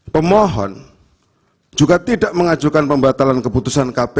pemohon juga tidak mengajukan pembatalan keputusan kpu